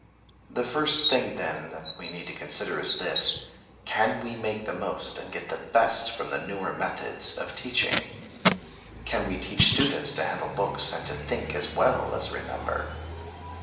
The first thing, then, that we need to consider is this: Can we make the most and get the best from the newer methods of teaching? Can we teach students to handle books and to think as well as remember?